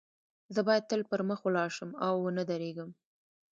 زه باید تل پر مخ ولاړ شم او و نه درېږم